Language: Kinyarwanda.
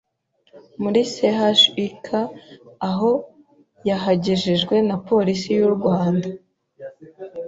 muri CHUK aho yahagejejwe na polisi y’u Rwanda